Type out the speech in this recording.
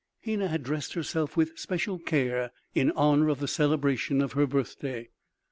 Hena had dressed herself with special care in honor of the celebration of her birthday.